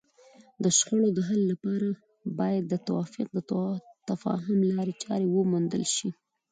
د شخړو د حل لپاره باید د توافق او تفاهم لارې چارې وموندل شي.